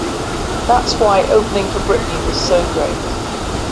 That's why opening for Britney was so great.